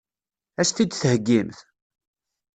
Ad as-t-id-theggimt?